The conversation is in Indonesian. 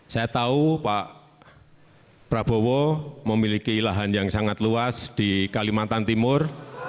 saya tahu pak prabowo memiliki lahan yang sangat luas di kalimantan timur